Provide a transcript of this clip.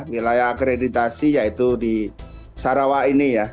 wilayah akreditasi yaitu di sarawak ini ya